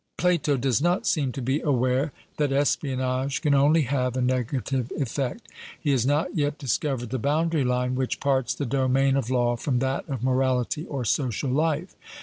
Plato does not seem to be aware that espionage can only have a negative effect. He has not yet discovered the boundary line which parts the domain of law from that of morality or social life.